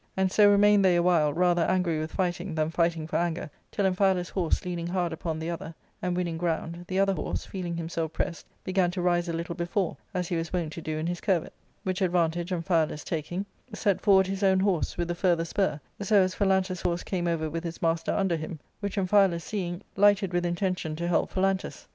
And so remained they a while, rather angry with fighting than fighting for anger, till Amphialus' horse leaning hard upon the other, and winning ground, the other horse, feeling himself pressed, began to rise a little before, as he was wont to do in his curvet, which advantage Amphialus taking, set forward his own horse with the further spur, so as Pha lantus' horse came over with his master under him, which Amphialus seeing, lighted with intention to help Phalantus.